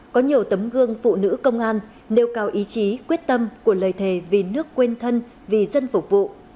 có nhiều tấm gương phụ nữ công an nêu cao ý chí quyết tâm của lời thề vì nước quên thân vì dân phục vụ